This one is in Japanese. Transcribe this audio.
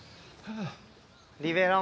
リベロウ